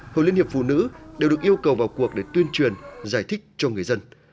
hội liên hiệp phụ nữ đều được yêu cầu vào cuộc để tuyên truyền giải thích cho người dân